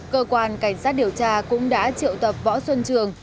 cơ quan cảnh sát điều tra cũng đã triệu tập võ xuân trường